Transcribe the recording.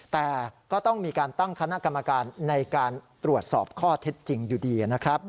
แต่ก็ต้องมีการตั้งคณะกรรมการในการตรวจสอบข้อเท็จจริงอยู่ดีนะครับ